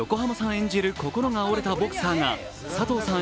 演じる心が折れたボクサーが、佐藤さん